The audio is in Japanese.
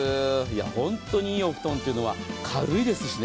本当に良いお布団というのは軽いですしね。